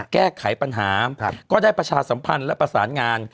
แก้ไขปัญหาก็ได้ประชาสัมพันธ์และประสานงาน